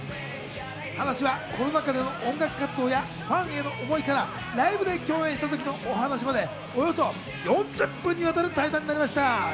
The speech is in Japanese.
話はコロナ禍での音楽活動やファンへの思いからライブで共演した時のお話まで、およそ４０分にわたる対談になりました。